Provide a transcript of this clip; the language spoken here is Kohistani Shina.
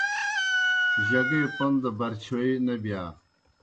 جگے پوْن دہ برچِھیوئے نہ بِیا۔